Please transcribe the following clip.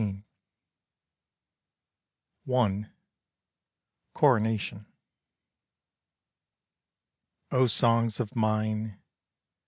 I. CORONATION. Oh songs of mine!